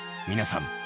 皆さん